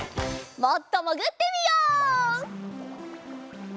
もっともぐってみよう！